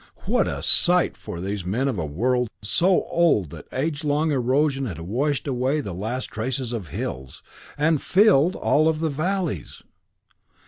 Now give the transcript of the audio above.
What a sight for these men of a world so old that age long erosion had washed away the last traces of hills, and filled in all of the valleys!